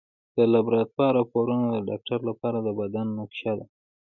د لابراتوار راپورونه د ډاکټر لپاره د بدن نقشه ده.